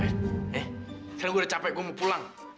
sekarang gue udah capek gue mau pulang